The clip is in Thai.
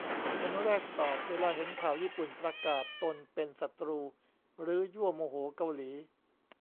คนแรกตอบ "เวลาเห็นข่าวญี่ปุ่นประกาศตนเป็นศัตรู หรือยั่วโมโหเกาหลี"